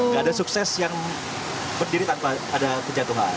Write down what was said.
gak ada sukses yang berdiri tanpa ada kejatuhan